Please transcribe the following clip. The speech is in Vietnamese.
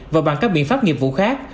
và bằng các biện pháp nghiệp vụ khác